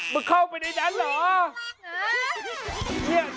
มันเข้าไปได้ทั้งนั้นเหรอ